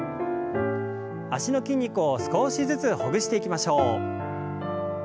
脚の筋肉を少しずつほぐしていきましょう。